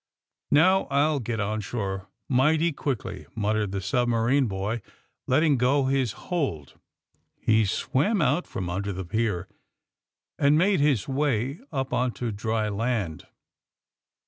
^*Now, I'll get on shore mighty quickly," mut tered the submarine boy, letting go his hold. He swam out from under the pier and made his way up on to dry land.